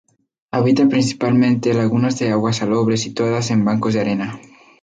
Habita principalmente lagunas de agua salobre situadas en bancos de arena.